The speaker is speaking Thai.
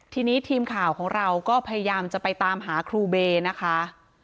ทีนี้ทีมข่าวของเราก็พยายามจะไปตามหาครูเบย์นะคะ